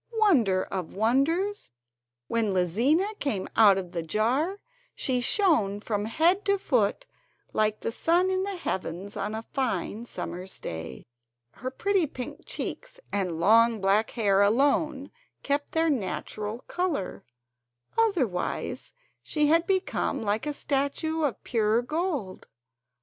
Wonder of wonders! when Lizina came out of the jar she shone from head to foot like the sun in the heavens on a fine summer's day. Her pretty pink cheeks and long black hair alone kept their natural colour, otherwise she had become like a statue of pure gold.